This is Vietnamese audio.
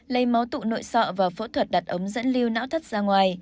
lấy máu tụ nội sọ và phẫu thuật đặt ống dẫn lưu não thất ra ngoài